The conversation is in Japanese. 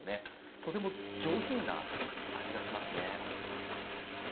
とても上品な味がしますね。